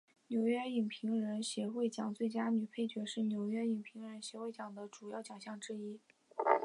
纽约影评人协会奖最佳女配角是纽约影评人协会奖的主要奖项之一。